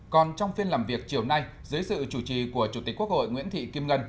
còn trong phiên làm việc chiều nay dưới sự chủ trì của chủ tịch quốc hội nguyễn thị kim ngân